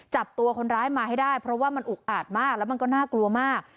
จับตัวคนร้ายมาให้ได้เพราะว่ามันอุกอาดมากแล้วมันก็น่ากลัวมาก